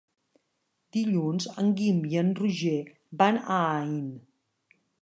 Dilluns en Guim i en Roger van a Aín.